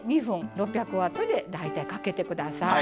６００Ｗで大体かけて下さい。